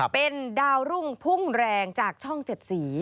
เป็นดาวรุ่งพุ่งแรงจากช่อง๗สี